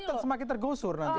kita nanti semakin tergosur nanti